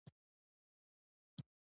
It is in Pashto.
څو ځلې یې زما خواته وکتل.